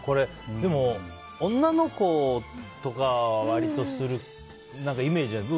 でも、女の子とかは割とするイメージがある。